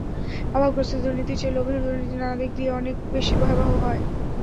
অভাবগ্রস্তদের দুর্নীতির চেয়ে লোভীর দুর্নীতি নানা দিক দিয়ে অনেক বেশি ভয়াবহ হয়।